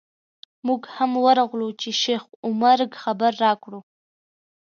موږ هم ورغلو چې شیخ عمر خبر راکړو.